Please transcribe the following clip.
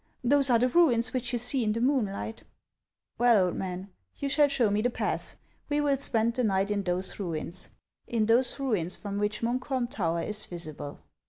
Those are the ruins which you see in the moonlight," " "Well, old man, you shall show me the path ; we will spend the night in those ruins, — in those ruins from which Munkholm tower is visible."